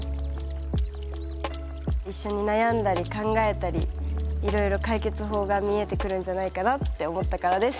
一緒に悩んだり考えたりいろいろ解決法が見えてくるんじゃないかなって思ったからです。